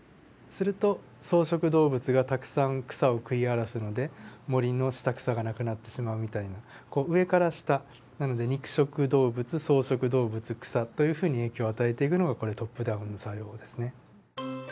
すると草食動物がたくさん草を食い荒らすので森の下草がなくなってしまうみたいなこう上から下なので肉食動物草食動物草というふうに影響を与えていくのがこれトップダウンの作用ですね。